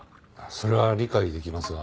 それは理解できますが。